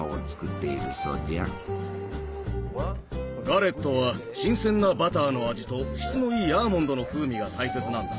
ガレットは新鮮なバターの味と質のいいアーモンドの風味が大切なんだ。